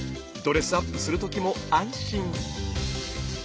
ドレスアップする時も安心。